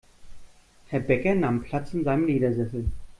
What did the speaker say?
Herr Bäcker nahm Platz in seinem Ledersessel.